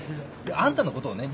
あんたのことをね